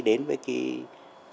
đến với ông vua này